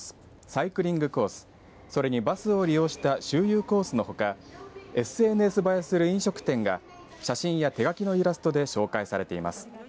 サイクリングコースそれにバスを利用した周遊コースのほかＳＮＳ映えする飲食店が写真や手書きのイラストで紹介されています。